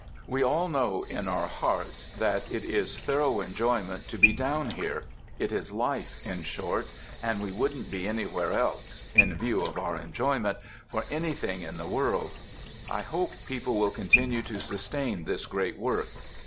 We all know in our hearts that it is thorough enjoyment to be down here; it is life, in short, and we wouldn't be anywhere else (in view of our enjoyment) for anything in the world. I hope people will continue to sustain this great work.